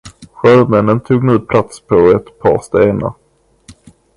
Sjömännen tog nu plats på ett par stenar.